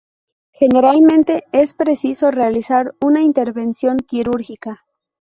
Generalmente es preciso realizar una intervención quirúrgica.